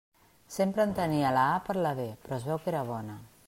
Sempre entenia la a per la be, però es veu que era bona.